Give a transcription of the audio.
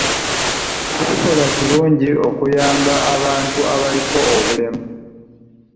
Kikolwa kirungi okuyamba abantu abaliko obulemu.